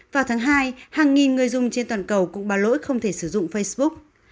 vào tháng hai hàng nghìn người dùng trên toàn cầu cũng bà lỗi không thể sử dụng facebook